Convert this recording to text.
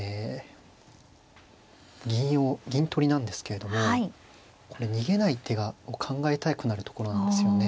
銀を銀取りなんですけれどもこれ逃げない手を考えたくなるところなんですよね。